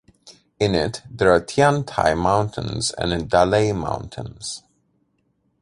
In it, there are Tian Tai Mountains and Da Lei Mountains.